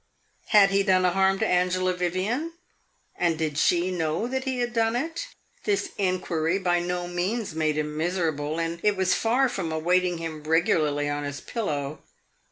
Had he done a harm to Angela Vivian, and did she know that he had done it? This inquiry by no means made him miserable, and it was far from awaiting him regularly on his pillow.